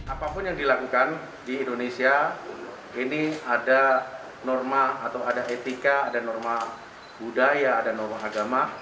apapun yang dilakukan di indonesia ini ada norma atau ada etika ada norma budaya ada norma agama